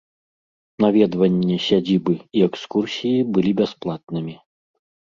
Наведванне сядзібы і экскурсіі былі бясплатнымі.